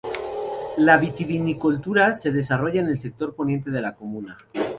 La vitivinicultura se desarrolla en el sector poniente de la comuna.